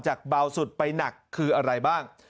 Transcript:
เบาสุดไปหนักคืออะไรบ้าง